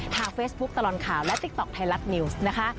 เฟซบุ๊คตลอดข่าวและติ๊กต๊อกไทยรัฐนิวส์นะคะ